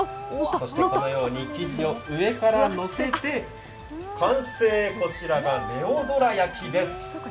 そして、生地を上からのせて完成、こちらがネオどら焼きです。